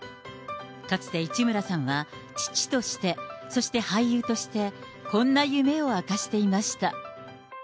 かつて市村さんは、父として、そして俳優として、こんな夢を明かしていました。